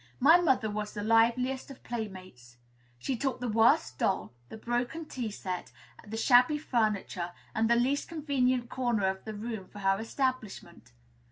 My mother was the liveliest of playmates, she took the worst doll, the broken tea set, the shabby furniture, and the least convenient corner of the room for her establishment.